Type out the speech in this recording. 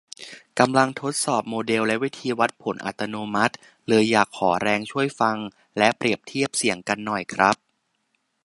กำลังทดสอบโมเดลและวิธีวัดผลอัตโนมัติ เลยอยากขอแรงช่วยฟังและเปรียบเทียบเสียงกันหน่อยครับ